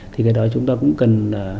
thì cái đó chúng ta cũng cần